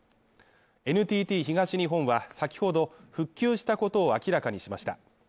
ＮＴＴ東日本は、先ほど復旧したことを明らかにしました。